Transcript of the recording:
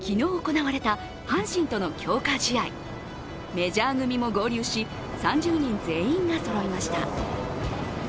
メジャー組も合流し３０人全員がそろいました。